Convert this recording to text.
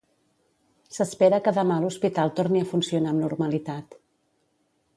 S'espera que demà l'hospital torni a funcionar amb normalitat.